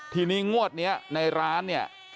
ทีนี้งวดในร้าน